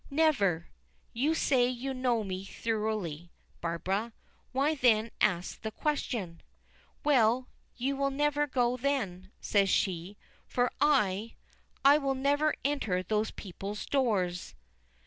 "Never. You say you know me thoroughly, Barbara; why then ask that question?" "Well, you will never go then," says she, "for I I will never enter those people's doors.